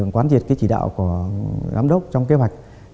quán diệt chỉ đạo của gám đốc trong kế hoạch